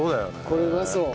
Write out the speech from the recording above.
これうまそう。